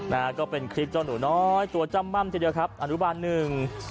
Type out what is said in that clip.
ตัวจ้าหนูซักอย่างแม่อารธุบาลหนึ่ง